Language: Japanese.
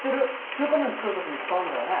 中華麺作る時に使うんだよね？